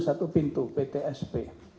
satu pintu ptsp